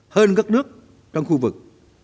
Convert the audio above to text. hơn các nước trong khu vực